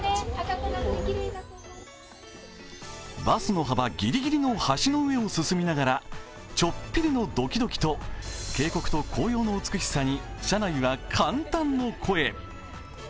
バスの幅ぎりぎりの橋の上を進みながらちょっぴりのドキドキと渓谷と紅葉の美しさに車内は感嘆の声。